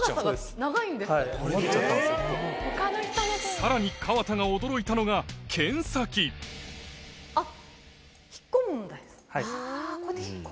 さらに川田が驚いたのがあっ。